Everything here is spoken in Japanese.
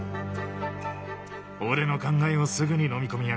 俺の考えをすぐに飲み込みやがった。